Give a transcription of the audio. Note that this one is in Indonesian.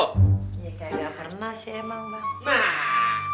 ya kagak pernah sih emang mbak